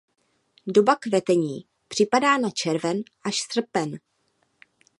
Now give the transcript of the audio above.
Doba kvetení připadá na červen až srpen.